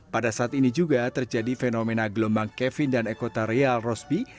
pada saat ini juga terjadi fenomena gelombang kevin dan ekotarial rosby